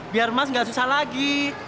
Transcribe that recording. biar mas gak susah lagi